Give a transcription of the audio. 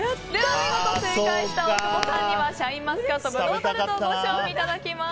見事正解した大久保さんにはシャインマスカット葡萄タルトをご賞味いただきます。